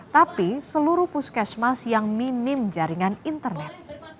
tapi seluruh puskesmas yang minim jaringan internet